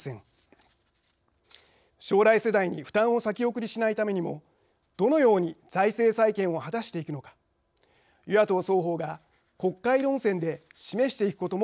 将来世代に負担を先送りしないためにもどのように財政再建を果たしていくのか与野党双方が国会論戦で示していくことも必要です。